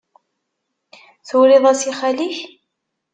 Turiḍ-as i xali-k?